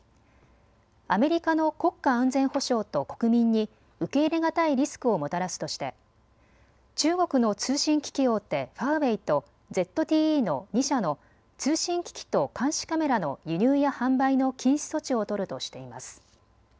アメリカの国家安全保障と国民に受け入れがたいリスクをもたらすとして中国の通信機器大手、ファーウェイとＺＴＥの２社の通信機器と監視カメラの輸入や販売の禁止措置を取るとしています。